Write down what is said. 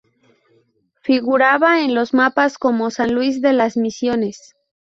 Figuraba en los mapas como San Luis de las Misiones.